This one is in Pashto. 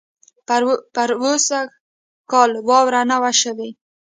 پروسږ کال واؤره نۀ وه شوې